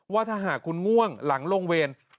ว่าถ้าหากคุณง่วงหลังลงเวร